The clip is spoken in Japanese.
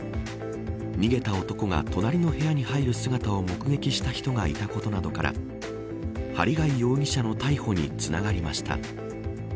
逃げた男が隣の部屋に入る姿を目撃した人がいたことなどから針谷容疑者の逮捕につながりました。